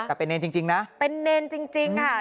แต่เป็นเนรจริงนะเป็นเนรจริงค่ะ